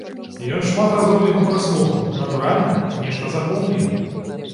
Ён шмат разоў яго праслухаў, натуральна, нешта запомніў.